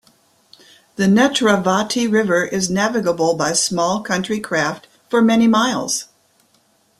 The Netravati River is navigable by small country craft for many miles.